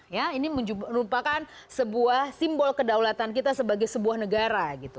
ya ini merupakan sebuah simbol kedaulatan kita sebagai sebuah negara gitu